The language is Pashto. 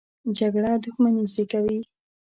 جګړه دښمني زېږوي